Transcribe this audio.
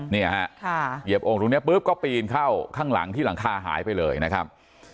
เนี่ยฮะเหยียบองค์ตรงนี้ปุ๊บก็ปีนเข้าข้างหลังที่หลังคาหายไปเลยนะครับ